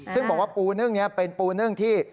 ซึ่งบอกว่าปูนึ่งนี้เป็นปูนึ่งที่